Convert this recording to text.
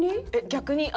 逆に。